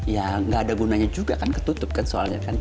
ya nggak ada gunanya juga kan ketutup kan soalnya kan